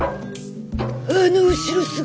あの後ろ姿。